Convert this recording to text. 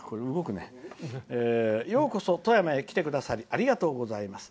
ようこそ、富山へ来てくださりありがとうございます」。